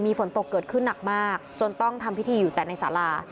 ฝนตกเกิดขึ้นหนักมากจนต้องทำพิธีอยู่แต่ในสารา